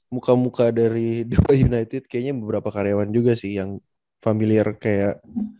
muka muka dari dewa united kayaknya beberapa karyawan juga sih yang familiar kayak